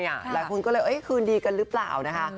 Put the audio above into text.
หลายคนก็เลยคืนดีกันหรือเปล่านะคะ